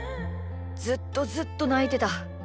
ずっとずっとないてた。